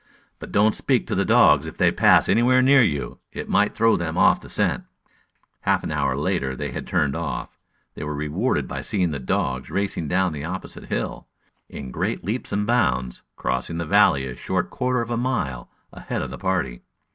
But don't speak to the dogs if they pass anywhere near you. It might throw them off the scent." Half an hour after they had turned off, they were rewarded by seeing the dogs racing down the opposite hill, in great leaps and bounds, crossing the valley a short quarter of a mile ahead of the party.